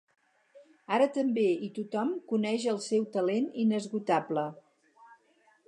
Ara també i tothom coneix el seu talent inesgotable.